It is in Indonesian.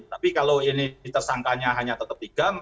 tapi kalau ini tersangkanya hanya tetap tiga